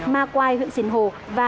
ma quai huyện xìn hồ và